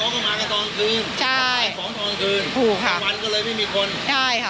อ๋อก็มากันตอนคืนใช่ตอนคืนถ้าวันก็เลยไม่มีคนใช่ค่ะอ๋อ